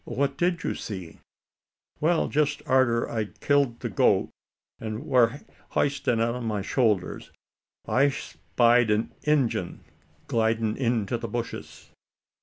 "What did you see?" "Why, jest arter I'd killed the goat, an' war heisting it on my shoulders, I spied a Injun glidin' into the bushes.